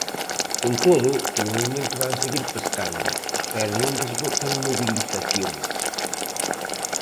Con todo, polo momento van seguir pescando, pero non desbotan mobilizacións.